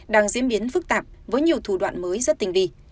đang diễn biến phức tạp với nhiều thủ đoạn mới rất tình đi